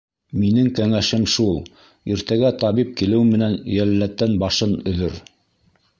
Минең кәңәшем шул: иртәгә табип килеү менән йәлләттән башын өҙҙөр.